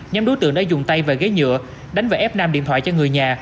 nhóm đối tượng đã dùng tay và ghế nhựa đánh và ép nam điện thoại cho người nhà